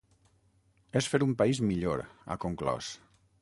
És fer un país millor, ha conclòs.